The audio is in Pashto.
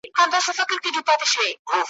هره ورځ به په دعا یو د زړو کفن کښانو `